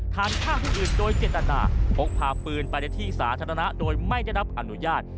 ฐานฆ่าผู้อื่นโดยเจตนาพกพาปืนไปในที่สาธารณะโดยไม่ได้รับอนุญาต